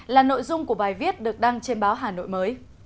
là nội dung của bài viết được đăng trên báo hà nội mới